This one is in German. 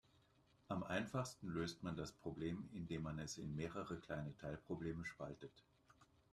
Am einfachsten löst man das Problem, indem man es in mehrere kleine Teilprobleme spaltet.